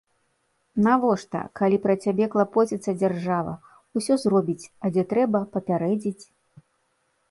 Навошта, калі пра цябе клапоціцца дзяржава, усё зробіць, а дзе трэба, папярэдзіць?